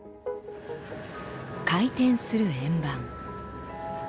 回転する円盤。